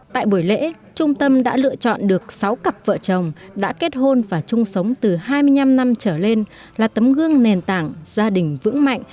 tại buổi lễ trung tâm đã lựa chọn được sáu cặp vợ chồng đã kết hôn và chung sống từ hai mươi năm năm trở lên là tấm gương nền tảng gia đình vững mạnh